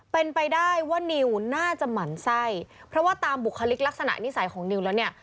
เป็นไปได้ว่านิวน่าจะหมั่นไส้เพราะว่าตามบุคลิกลักษณะนิสัยของนิวแล้วเนี่ย